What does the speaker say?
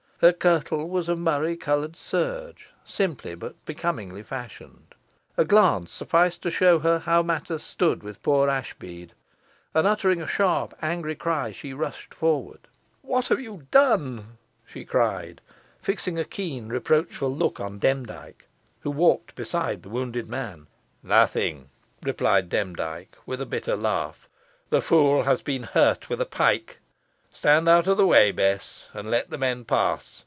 Her kirtle was of murrey coloured serge; simply, but becomingly fashioned. A glance sufficed to show her how matters stood with poor Ashbead, and, uttering a sharp angry cry, she rushed towards him. "What have you done?" she cried, fixing a keen reproachful look on Demdike, who walked beside the wounded man. "Nothing," replied Demdike with a bitter laugh; "the fool has been hurt with a pike. Stand out of the way, Bess, and let the men pass.